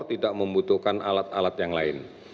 tidak membutuhkan alat alat yang lain